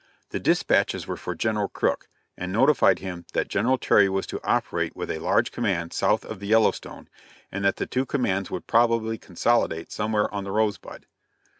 The dispatches were for General Crook, and notified him that General Terry was to operate with a large command south of the Yellowstone, and that the two commands would probably consolidate somewhere on the Rosebud.